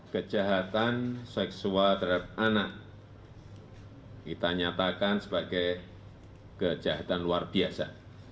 kejahatan seksual terhadap anak kita nyatakan sebagai kejahatan luar biasa